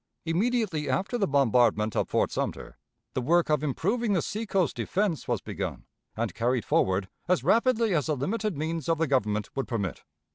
Immediately after the bombardment of Fort Sumter, the work of improving the seacoast defense was begun and carried forward as rapidly as the limited means of the Government would permit.